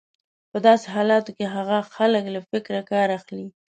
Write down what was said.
په داسې حالتونو کې هغه خلک له فکره کار اخلي.